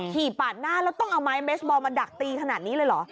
ปาดหน้าแล้วต้องเอาไม้เบสบอลมาดักตีขนาดนี้เลยเหรอ